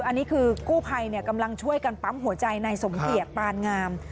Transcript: อันนี้คือกู้ภัยกำลังช่วยกันปั๊มหัวใจนายสมเกียจปานงาม